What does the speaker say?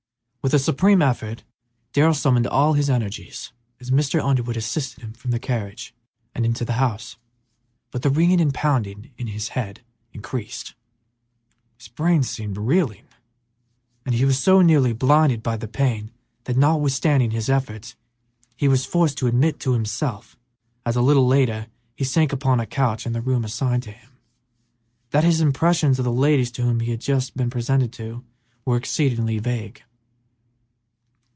With a supreme effort Darrell summoned all his energies as Mr. Underwood assisted him from the carriage and into the house. But the ringing and pounding in his head increased, his brain seemed reeling, and he was so nearly blinded by pain that, notwithstanding his efforts, he was forced to admit to himself, as a little later he sank upon a couch in the room assigned to him, that his impressions of the ladies to whom he had just been presented were exceedingly vague.